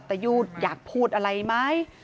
อายุอยากพูดอะไรไหม